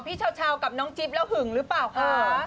พี่เช้าเช้ากับน้องจิ๊บอาจหึงหรือเปล่าค่ะ